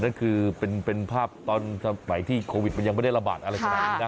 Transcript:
นั่นคือเป็นภาพตอนสมัยที่โควิดมันยังไม่ได้ระบาดอะไรขนาดนี้นะ